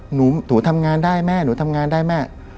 หนูทำงานได้แม่หนูทำงานได้แม่